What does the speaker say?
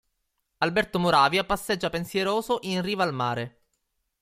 Alberto Moravia passeggia pensieroso in riva al mare.